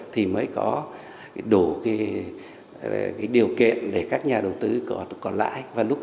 thì mới có đủ điều kiện để các nhà đầu tư có lãi